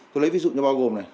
tôi lấy ví dụ như bao gồm này